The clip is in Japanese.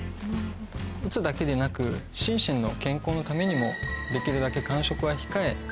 うつだけでなく心身の健康のためにもできるだけ。